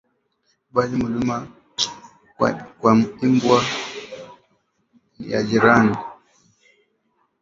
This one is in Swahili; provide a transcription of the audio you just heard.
Bali muluma kwa imbwa ya ba jirani